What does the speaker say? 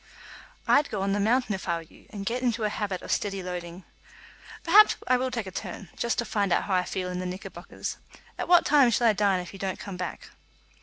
"I'd go on the mountain if I were you, and get into a habit of steady loading." "Perhaps I will take a turn, just to find out how I feel in the knickerbockers. At what time shall I dine if you don't come back?"